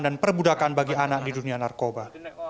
dan perbudakan bagi anak di dunia narkoba